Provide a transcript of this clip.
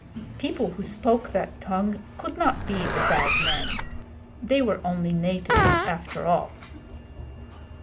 People who spoke that tongue could not be the Bad Men. They were only natives after all.